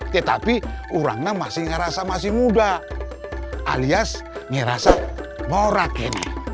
tetapi orangnya masih ngerasa masih muda alias ngerasa morak ini